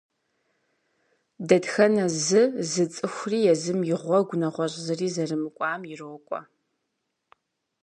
Дэтхэнэ зы зы цӏыхури езым и гъуэгу, нэгъуэщӀ зыри зэрымыкӀуам, ирокӀуэ.